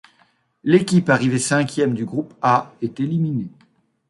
L'équipe arrivée cinquième du groupe A est éliminée.